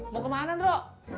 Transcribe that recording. mau kemana bro